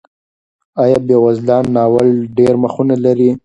آیا بېوزلان ناول ډېر مخونه لري؟